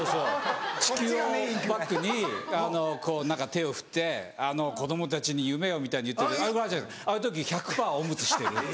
地球をバックにこう何か手を振って子供たちに夢をみたいに言ってるああいう時１００％オムツしてる。